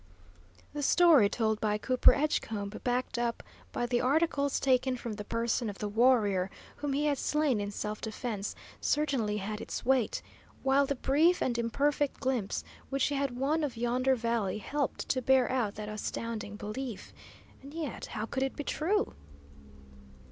The story told by Cooper Edgecombe, backed up by the articles taken from the person of the warrior whom he had slain in self defence, certainly had its weight; while the brief and imperfect glimpse which he had won of yonder valley helped to bear out that astounding belief. And yet, how could it be true?